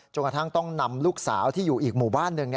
กระทั่งต้องนำลูกสาวที่อยู่อีกหมู่บ้านหนึ่ง